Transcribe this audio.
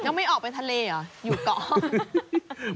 แล้วไม่ออกไปทะเลหรออยู่เกาะห้อง